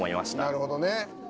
なるほどね。